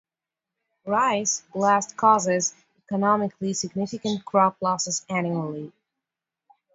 Rice blast causes economically significant crop losses annually.